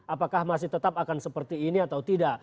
apakah masih tetap akan seperti ini atau tidak